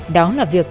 đó là việc